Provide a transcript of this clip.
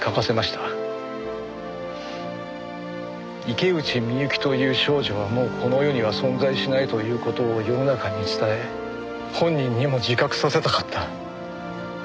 池内美雪という少女はもうこの世には存在しないという事を世の中に伝え本人にも自覚させたかった。